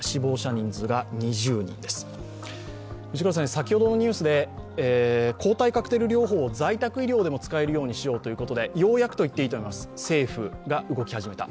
先ほどのニュースで、抗体カクテル療法を在宅医療でも使えるようにしようということでようやくといっていいと思います、政府が動き始めた。